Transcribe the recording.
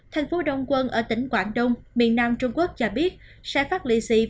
thành phố đông quân ở tỉnh quảng đông miền nam trung quốc cho biết sẽ phát lị xị